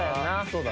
そうだ